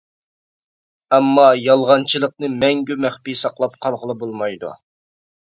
ئەمما يالغانچىلىقنى مەڭگۈ مەخپىي ساقلاپ قالغىلى بولمايدۇ.